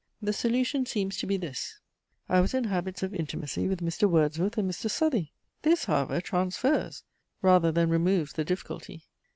The solution seems to be this, I was in habits of intimacy with Mr. Wordsworth and Mr. Southey! This, however, transfers, rather than removes the difficulty.